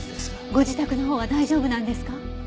ご自宅のほうは大丈夫なんですか？